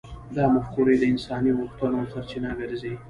دا مفکورې د انساني غوښتنو سرچینه ګرځي.